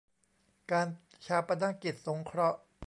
การฌาปนกิจสงเคราะห์